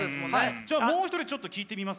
じゃあもう一人ちょっと聞いてみます？